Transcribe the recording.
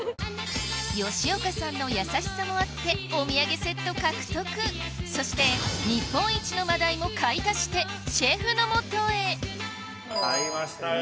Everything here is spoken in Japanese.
吉岡さんの優しさもあってお土産セット獲得そして日本一の真鯛も買い足してシェフの元へ買いましたよ。